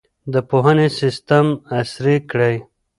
د پوهنې سیستم عصري کړئ.